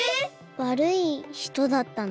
わるいひとだったの？